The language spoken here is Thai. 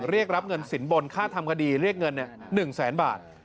เรียกรับเงินสินบลค่าทำคดีเรียกเงินอยู่๑๐๐๐๐๐บาท